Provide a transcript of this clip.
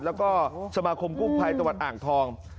และก็สมาคมกุภัยตอ่างทอง